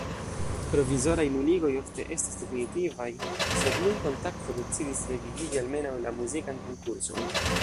Provizoraj nuligoj ofte estas definitivaj, sed nun Kontakto decidis revivigi almenaŭ la muzikan konkurson.